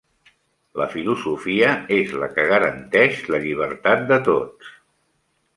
La filosofia és la que garanteix la llibertat de tots.